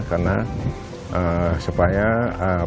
karena supaya fungsi hutan